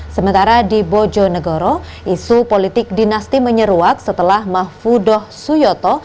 sementara di bojonegoro isu politik dinasti menyeruak setelah mahfudoh suyoto